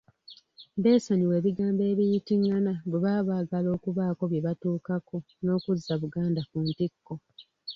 Beesonyiwe ebigambo ebiyitingana bwe baba baagala okubaako bye batuukako n’okuzza Buganda ku ntikko.